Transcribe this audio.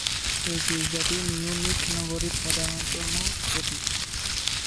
এই গির্জাটি মিউনিখ নগরীর প্রধানতম প্রতীক।